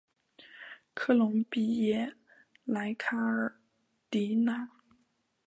科隆比耶莱卡尔迪纳。